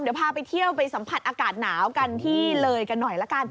เดี๋ยวพาไปเที่ยวไปสัมผัสอากาศหนาวกันที่เลยกันหน่อยละกัน